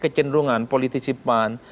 kecenderungan politisi pan